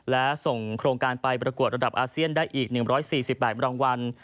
และส่งโครงการไปประกวดระดับอาเซียนได้อีก๑๔๘รางวัล